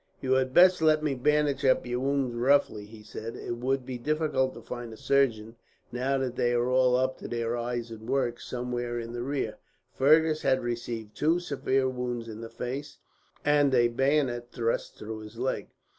"You had best let me bandage up your wounds roughly," he said. "It will be difficult to find a surgeon, now that they are all up to their eyes in work, somewhere in the rear." Fergus had received two severe wounds in the face, and a bayonet thrust through his leg.